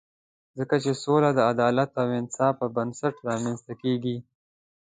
ځکه چې سوله د عدالت او انصاف پر بنسټ رامنځته کېږي.